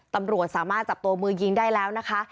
ตำรวจสามารถจับตัวมือยิงได้แล้วนะคะ